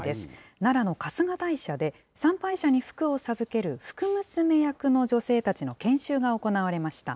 奈良の春日大社で、参拝者に福を授ける、福娘役の女性たちの研修が行われました。